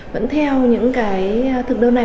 vẫn theo những cái thực đơn này